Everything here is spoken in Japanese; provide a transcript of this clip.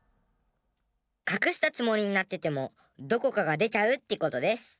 かくしたつもりになっててもどこかがでちゃうってことデス。